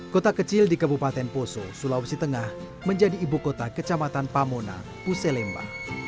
kota kecil di kebupaten poso sulawesi tengah menjadi ibukota kecamatan pamona puselemba